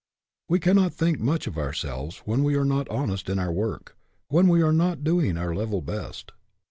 We cannot think much of ourselves when we are not honest in our work when we are not doing our level best.